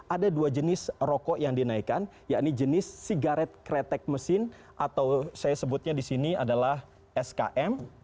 ada dua jenis rokok yang dinaikkan yakni jenis sigaret kretek mesin atau saya sebutnya di sini adalah skm